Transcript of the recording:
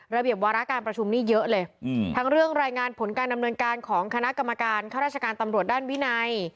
ระเบียบวาระการประชุมนี่เยอะเลยทั้งเรื่องรายงานผลการดำเนินการของคณะกรรมการข้าราชการตำรวจด้านวินัย